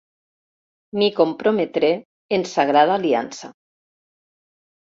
M'hi comprometré en sagrada aliança.